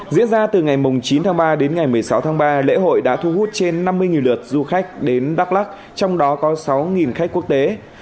diễn ra từ ngày chín tháng ba đến ngày một mươi sáu tháng ba lễ hội đã thu hút trên năm mươi lượt du khách đến đắk lắc trong đó có sáu khách quốc tế